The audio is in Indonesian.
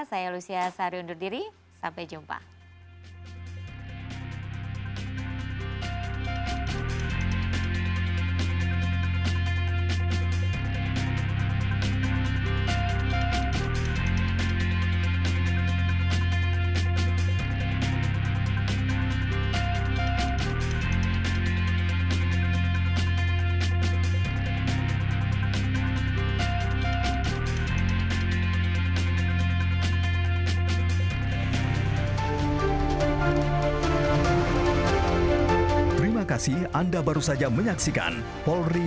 saya lucia sari undur diri sampai jumpa